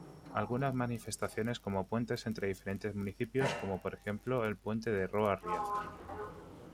Algunas manifestaciones como puentes entre diferentes municipios como por ejemplo el puente de Roa-Riaza.